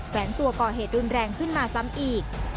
แวนตัวก่อเหตุรุนแรงขึ้นมาซ้ำอีก